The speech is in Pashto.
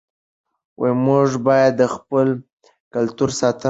موږ باید د خپل کلتور ساتنه وکړو.